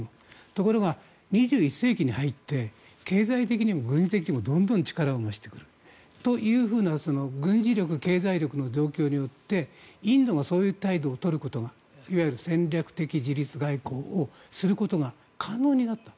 ところが２１世紀に入って経済的にも軍事的にもどんどん力を増してくるというふうな軍事力、経済力の状況によってインドのそういう態度を取ることが戦略的自律外交をすることが可能になった。